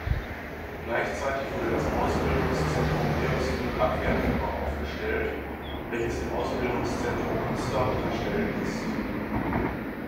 Gleichzeitig wurde das Ausbildungszentrum Heeresflugabwehrtruppe aufgestellt, welches dem Ausbildungszentrum Munster unterstellt ist.